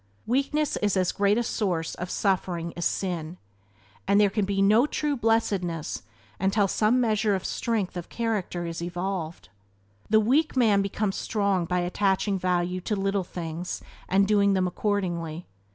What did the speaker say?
Weakness is as great a source of suffering as sin, and there can be no true blessedness until some measure of strength of character is evolved. The weak man becomes strong by attaching value to little things and doing them accordingly.